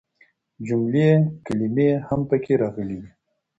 جملې ،کلمې هم پکې راغلي دي.